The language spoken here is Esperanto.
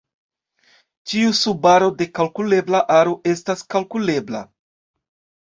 Ĉiu subaro de kalkulebla aro estas kalkulebla.